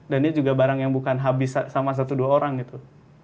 dan ini juga barang yang bukan habis sama satu dua orang gitu